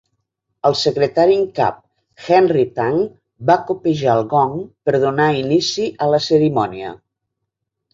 El secretari en cap Henry Tang va copejar el gong per donar inici al a cerimònia.